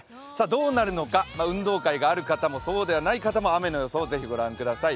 どうなるのか、運動会がある方もそうでない方も雨の予想、ぜひご覧ください。